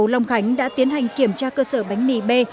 thành phố long khánh đã tiến hành kiểm tra cơ sở bánh mì b